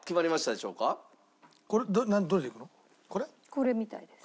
これみたいです。